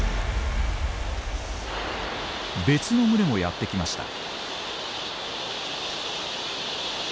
別の群れもやって来ました。